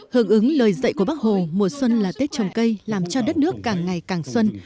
hưởng ứng lời dạy của bác hồ mùa xuân là tết trồng cây làm cho đất nước càng ngày càng xuân